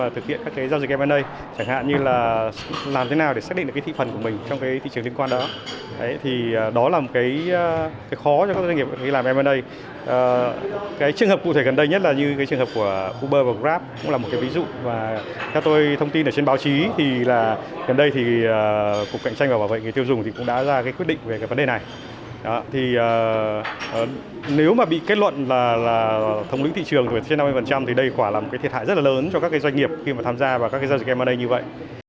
thì nếu mà bị kết luận là thống lĩnh thị trường trên năm mươi thì đây khỏa là một cái thiệt hại rất là lớn cho các doanh nghiệp khi mà tham gia vào các giao dịch mna như vậy